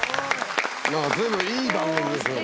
何か随分いい番組ですね